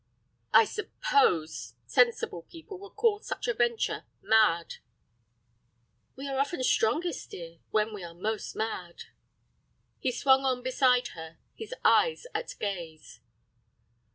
"I suppose sensible people would call such a venture—mad." "We are often strongest, dear, when we are most mad." He swung on beside her, his eyes at gaze.